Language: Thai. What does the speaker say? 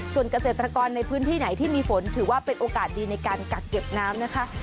ส่วนเกษตรกรในพื้นที่ไหนที่มีฝนถือว่าเป็นโอกาสดีในการกักเก็บน้ำนะคะ